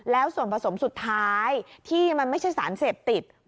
แล้วส่วนผสมสุดท้ายที่มันไม่ใช่สารเสพติด